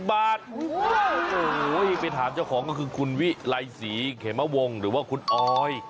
โอ้โหไปถามเจ้าของก็คือคุณวิไลศรีเขมะวงหรือว่าคุณออย